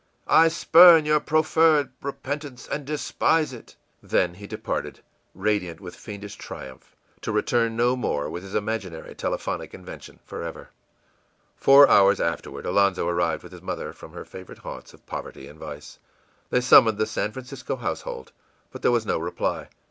I spurn your proffered repentance, and despise it!î Then he departed, radiant with fiendish triumph, to return no more with his imaginary telephonic invention forever. Four hours afterward Alonzo arrived with his mother from her favorite haunts of poverty and vice. They summoned the San Francisco household; but there was no reply.